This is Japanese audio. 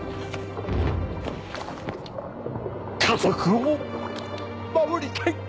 家族を守りたい！